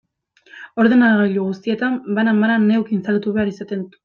Ordenagailu guztietan, banan-banan, neuk instalatu behar izaten dut.